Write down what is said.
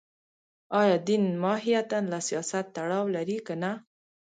ایا دین ماهیتاً له سیاست تړاو لري که نه